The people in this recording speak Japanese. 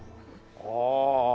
ああ！